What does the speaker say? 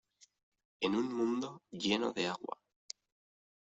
en un mundo lleno de agua